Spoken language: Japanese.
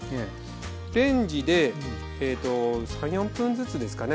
レンジで３４分ずつですかね